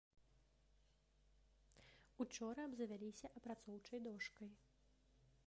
Учора абзавяліся апрацоўчай дошкай.